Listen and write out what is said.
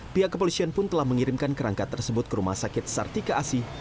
pihak kepolisian pun telah mengirimkan kerangka tersebut ke rumah sakit sartika asi